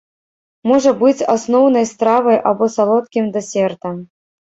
Можа быць асноўнай стравай або салодкім дэсертам.